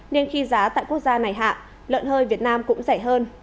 nên khi giá tại quốc gia này hạ lợn hơi việt nam cũng rẻ hơn